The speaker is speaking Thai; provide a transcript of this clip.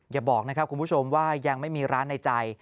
อย่าบอกนะครับคุณผู้ชมว่ายังไม่มีร้านในใจ